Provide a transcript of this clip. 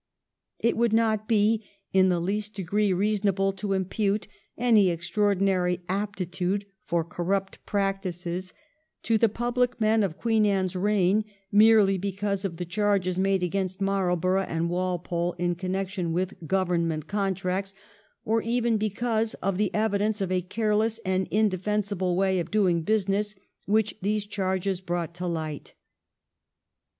It would not be in the least degree reasonable to impute any extraordinary aptitude for corrupt practices to the public men of Queen Anne's reign merely because of the charges made against Marlborough and Walpole in connection with Government contracts, or even because of the evidence of a careless and indefensible way of doing business which these charges brought to light.